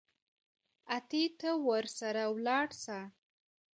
اتې ته ورسره ولاړ سه.